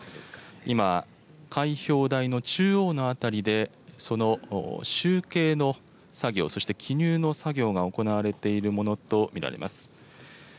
今、開票台の中央の辺りで、その集計の作業、そして記入の作業が行われているものと見られます。